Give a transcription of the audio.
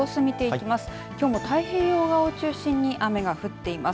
きょうも太平洋側を中心に雨が降っています。